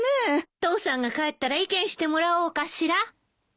父さんが帰ったら意見してもらおうかしら。